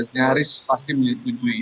nyaris pasti menyetujui